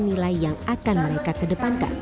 nilai yang akan mereka kedepankan